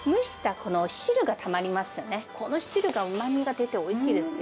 この汁がうまみが出ておいしいですよ。